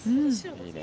いいね。